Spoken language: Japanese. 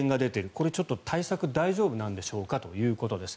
これはちょっと対策大丈夫なんでしょうかということです。